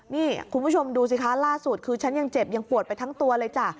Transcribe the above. นี่คุณผู้ชมดูสิคะล่าสุดคือฉันยังเจ็บยังปวดไปทั้งตัวเลยจ้ะ